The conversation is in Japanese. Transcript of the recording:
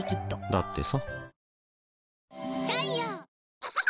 だってさ